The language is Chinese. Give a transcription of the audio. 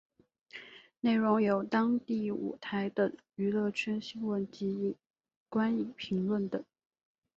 内容有当地舞台等娱乐圈新闻及观影评论等。